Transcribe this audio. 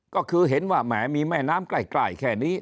ก็คือเห็นว่าแหมมีแม่น้ำใกล้แค่นี้